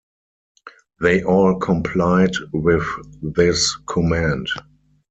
They all complied with this command.